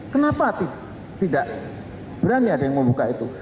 kenapa tidak berani ada yang membuka itu